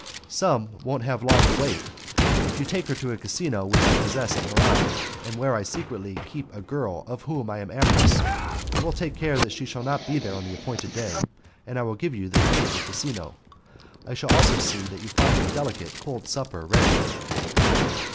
"Some won't have long to wait, if you will take her to a casino which I myself possess at Muran, and where I secretly keep a girl of whom I am amorous. I will take care that she shall not be there on the appointed day, and I will give you the key of the casino. I shall also see that you find a delicate cold supper ready."